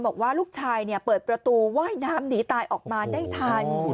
อุดวิดแล้วที่เปิดจู่เนอะแหละ